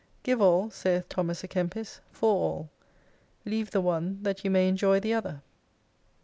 Give all (saith Thomas k Kempis) for all. Leave the one that you may enjoy the other.